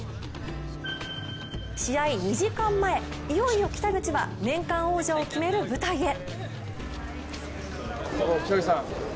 試合２時間前、いよいよ北口は年間王者を決める舞台へ。